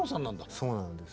そうなんです。